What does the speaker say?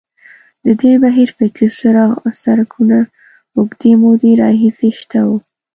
د دې بهیر فکري څرکونه اوږدې مودې راهیسې شته وو.